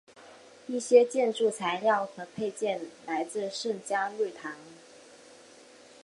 一些建筑材料和配件来自圣嘉禄堂。